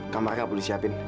kamar aku harus siapin